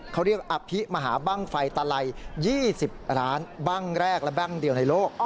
เขาเรียกอภิมหาบ้างไฟตะไล๒๐ร้านบ้างแรกและแบ้งเดียวในโลก